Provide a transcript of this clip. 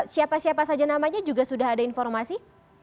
siapa siapa saja namanya juga sudah ada informasi